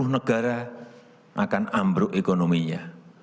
enam puluh negara akan ambruk ekonominya